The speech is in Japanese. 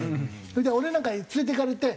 それで俺なんか連れていかれて。